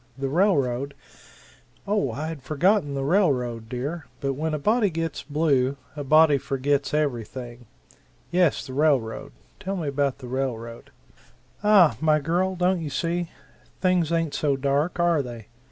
The railroad " "Oh, I had forgotten the railroad, dear, but when a body gets blue, a body forgets everything. Yes, the railroad tell me about the railroad." "Aha, my girl, don't you see? Things ain't so dark, are they?